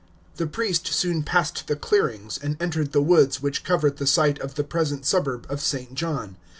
The priest soon passed the clearings, and entered the woods which covered the site of the present suburb of St. John.